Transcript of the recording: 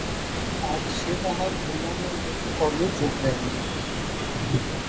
আজ সে তাহার অন্যান্য নিয়মিত কর্মে যোগ দেয় নাই।